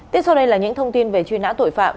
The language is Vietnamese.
tiếp sau đây là những thông tin về truy nã tội phạm